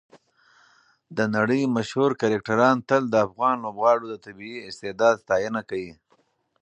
د نړۍ مشهور کرکټران تل د افغان لوبغاړو د طبیعي استعداد ستاینه کوي.